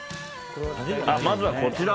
まずは、こちら。